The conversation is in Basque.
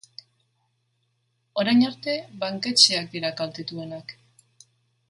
Orain arte, banketxeak dira kaltetuenak.